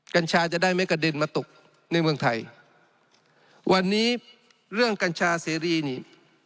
กัญชาจะได้ไม่กระเด็นมาตกในเมืองไทยวันนี้เรื่องกัญชาเสรีนี่